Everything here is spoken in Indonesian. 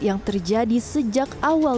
yang terjadi sejak awal dua ribu sembilan belas